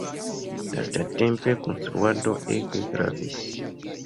Lastatempe konstruado ege gravis.